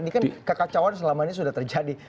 ini kan kekacauan selama ini sudah terjadi